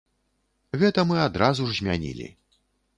Гэта мы адразу ж змянілі.